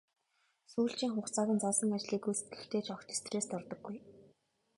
Сүүлчийн хугацааг нь заасан ажлыг гүйцэтгэхдээ ч огт стресст ордоггүй.